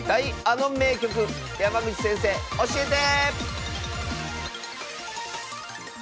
あの名局」山口先生教えて！